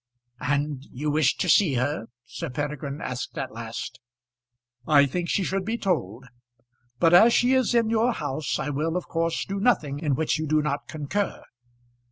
"And you wish to see her?" Sir Peregrine asked at last. "I think she should be told; but as she is in your house, I will, of course, do nothing in which you do not concur."